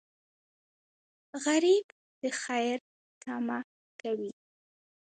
غریب د خیر تمه کوي